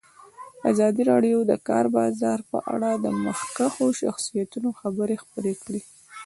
ازادي راډیو د د کار بازار په اړه د مخکښو شخصیتونو خبرې خپرې کړي.